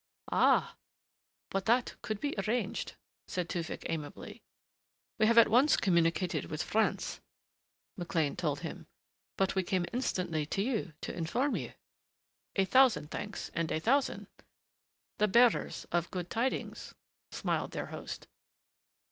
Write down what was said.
"Ah!... But that could be arranged," said Tewfick amiably. "We have at once communicated with France," McLean told him, "but we came instantly to you, to, inform you " "A thousand thanks and a thousand! The bearers of good tidings," smiled their host.